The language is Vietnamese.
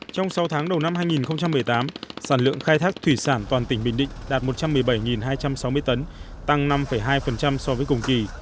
trong sáu tháng đầu năm hai nghìn một mươi tám sản lượng khai thác thủy sản toàn tỉnh bình định đạt một trăm một mươi bảy hai trăm sáu mươi tấn tăng năm hai so với cùng kỳ